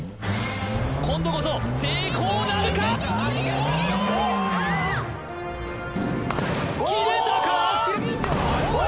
今度こそ成功なるか斬れたか！？